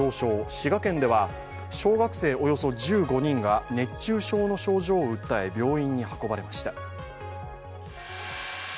滋賀県では小学生およそ１５人が熱中症の症状を訴え病院に運ばれました。